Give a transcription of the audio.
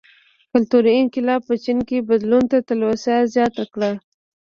کلتوري انقلاب په چین کې بدلون ته تلوسه زیاته کړه.